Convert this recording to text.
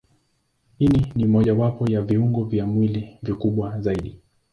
Ini ni mojawapo wa viungo vya mwili vikubwa zaidi.